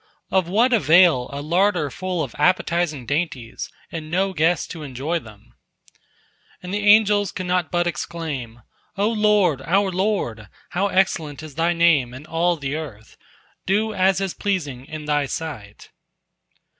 Of what avail a larder full of appetizing dainties, and no guest to enjoy them?" And the angels could not but exclaim: "O Lord, our Lord, how excellent is Thy name in all the earth! Do as is pleasing in Thy sight."